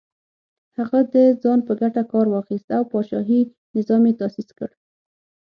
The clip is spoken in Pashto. هغه د ځان په ګټه کار واخیست او پاچاهي نظام یې تاسیس کړ.